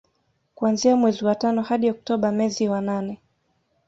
Kuanzia mwezi wa tano hadi Oktoba mezi wa nane